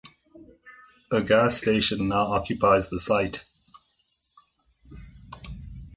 A gas station now occupies the site.